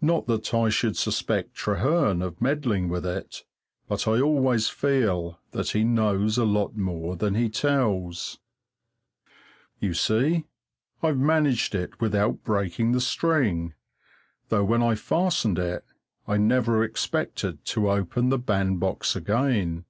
Not that I should suspect Trehearn of meddling with it, but I always feel that he knows a lot more than he tells. You see, I've managed it without breaking the string, though when I fastened it I never expected to open the bandbox again.